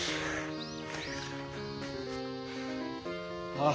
ああ！